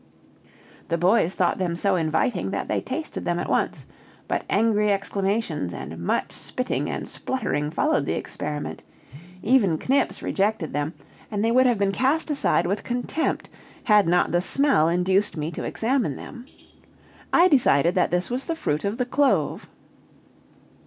The boys thought them so inviting, that they tasted them at once, but angry exclamations and much spitting and spluttering followed the experiment; even Knips rejected them, and they would have been cast aside with contempt, had not the smell induced me to examine them. I decided that this was the fruit of the clove.